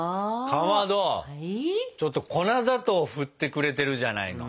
かまどちょっと粉砂糖を振ってくれてるじゃないの。